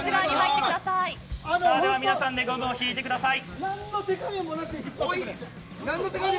皆さんでゴムを引いてください。